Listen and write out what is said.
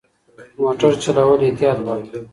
موټر چلول احتیاط غواړي.